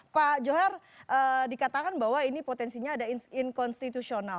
pak johar dikatakan bahwa ini potensinya ada inkonstitusional